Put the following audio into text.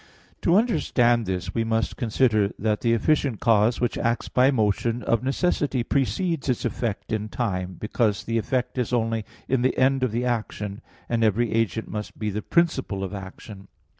To understand this we must consider that the efficient cause, which acts by motion, of necessity precedes its effect in time; because the effect is only in the end of the action, and every agent must be the principle of action.